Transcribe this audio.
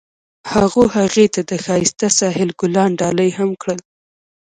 هغه هغې ته د ښایسته ساحل ګلان ډالۍ هم کړل.